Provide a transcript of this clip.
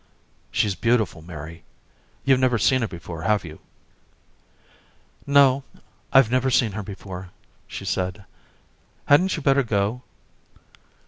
"She's beautiful, Mary. You've never seen her before, have you?" "No, I've never seen her before," she said. "Hadn't you better go?"